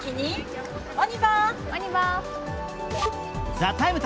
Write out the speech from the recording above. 「ＴＨＥＴＩＭＥ，」